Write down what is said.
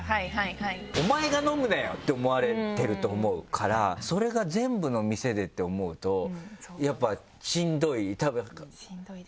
お前が飲むなよって思われてると思うからそれが全部の店でって思うとやっぱしんどい。